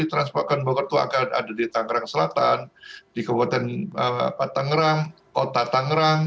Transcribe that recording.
transparan bogor itu akan ada di tangerang selatan di kabupaten tangerang kota tangerang